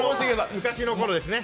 昔のころですね。